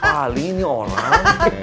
ah ini orang